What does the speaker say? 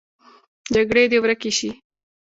جګړې دې ورکې شي